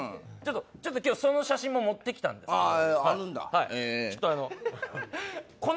ちょっと今日、その写真も持ってきたんですけど。